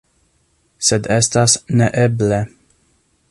Sed estas neeble.